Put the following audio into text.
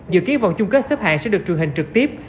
dự kiến vòng chung kết xếp hạng sẽ được truyền hình trực tiếp